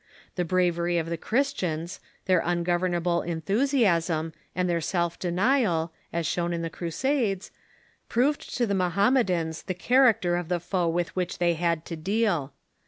The bravery of the Christians, their un governable enthusiasm, and their self denial, as shown in the Crusades, proved to the Mohammedans the character of the foe with which they had to deal.